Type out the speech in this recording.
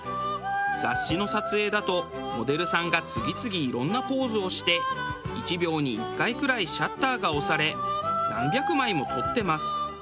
雑誌の撮影だとモデルさんが次々いろんなポーズをして１秒に１回くらいシャッターが押され何百枚も撮ってます。